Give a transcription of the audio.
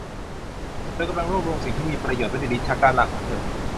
เธอกำลังรวบรวมสิ่งที่มีประโยชน์ไว้ในลิ้นชักด้านล่างของเธอ